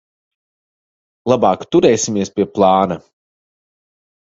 Labāk turēsimies pie plāna.